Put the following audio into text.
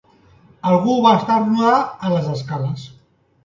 Algú va esternudar a les escales.